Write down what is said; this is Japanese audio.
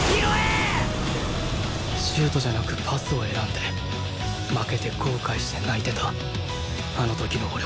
シュートじゃなくパスを選んで負けて後悔して泣いてたあの時の俺はもういらない